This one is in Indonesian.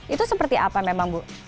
itu seperti apa memang bu